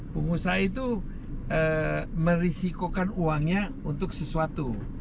pengusaha itu merisikokan uangnya untuk sesuatu